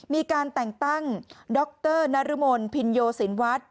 มีการแต่งตั้งดรนรมนพินโยสินวัฒน์